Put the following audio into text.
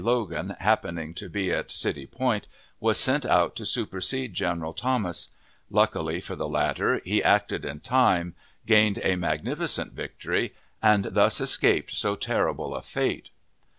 Logan, happening to be at City Point, was sent out to supersede General Thomas; luckily for the latter, he acted in time, gained a magnificent victory, and thus escaped so terrible a fate.